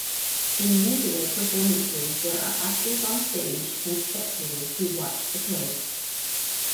In usual performances there are actors on stage and spectators who watch the play.